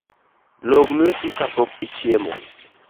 Log lueti kapok ichiemo